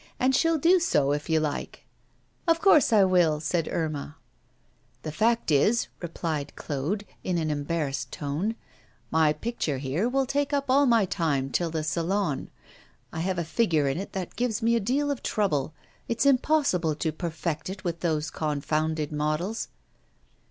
And she'll do so if you like.' 'Of course I will,' said Irma. 'The fact is,' replied Claude, in an embarrassed tone, 'my picture here will take up all my time till the Salon. I have a figure in it that gives me a deal of trouble. It's impossible to perfect it with those confounded models.